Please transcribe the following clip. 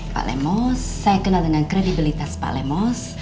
pak lemos saya kenal dengan kredibilitas pak lemos